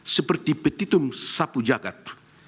seperti petitum sapu jagat